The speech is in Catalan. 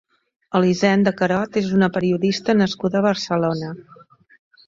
Elisenda Carod és una periodista nascuda a Barcelona.